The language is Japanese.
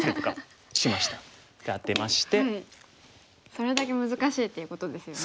それだけ難しいっていうことですよね。